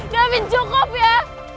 daven cukup ya